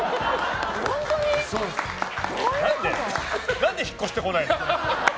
何で引っ越してこないの？